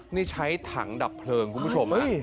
นี่ใช้ถังดับเพลิงคุณผู้ชม